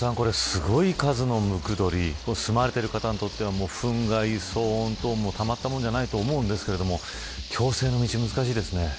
すごい数のムクドリ住まわれている方にとってはふん害、騒音などたまったもんじゃないと思うんですけど、共生の道